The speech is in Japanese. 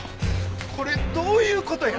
これどういう事や？